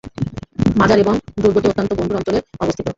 মাজার এবং দুর্গটি অত্যন্ত বন্ধুর অঞ্চলে অবস্থিত।